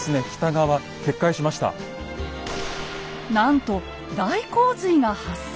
なんと大洪水が発生。